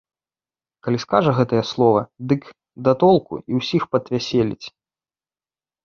Калі скажа гэтае слова, дык да толку і ўсіх падвяселіць.